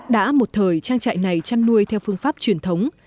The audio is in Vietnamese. đã một thời trang trại này chăn nuôi theo phương pháp truyền thống